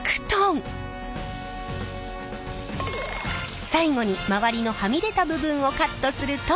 最後に周りのはみ出た部分をカットするとレコードが完成。